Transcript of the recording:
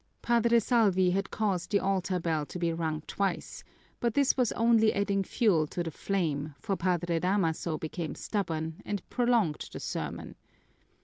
Padre Salvi had caused the altar bell to be rung twice, but this was only adding fuel to the flame, for Padre Damaso became stubborn and prolonged the sermon.